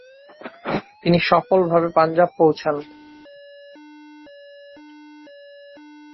তিনি সফলভাবে পাঞ্জাব পৌছান।